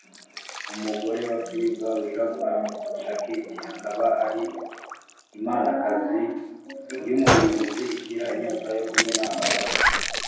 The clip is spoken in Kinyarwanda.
umugore wa siva wirabura (shakiti) akaba ari imanakazi y’umurimbuzi igira inyota yo kumena amaraso.